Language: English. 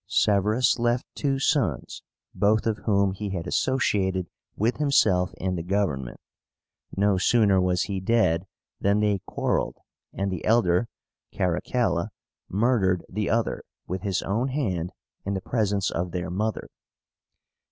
Sevérus left two sons, both of whom he had associated with himself in the government. No sooner was he dead than they quarrelled, and the elder, CARACALLA, murdered the other with his own hand in the presence of their mother.